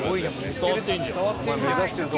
「伝わってんじゃん」